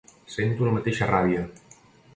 Sento la mateixa ràbia.